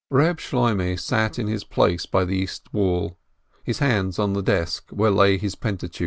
Reb Shloimeh sat in his place by the east wall, his hands on the desk where lay 'his Pentateuch.